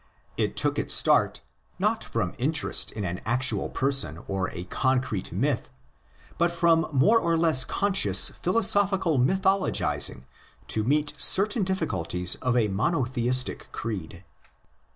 It took its start, not from interest in an actual person or a concrete myth, but from more or less conscious ALEXANDRIAN JUDAISM 17 philosophical mythologising to meet certain difficul ties of a monotheistic creed.